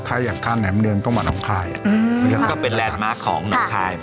ใครอยากทานแหน่มเนืองต้องมาหนองคลายอืมก็เป็นของหนองคลาย